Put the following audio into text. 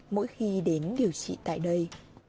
mỗi khi đến điều trị tại đây